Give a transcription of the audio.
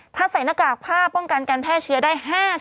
ถ้าใส่หน้ากากผ้าป้องกันการแพร่เชื้อได้๕๐